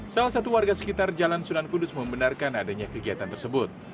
salah satu warga sekitar jalan sunan kudus membenarkan adanya kegiatan tersebut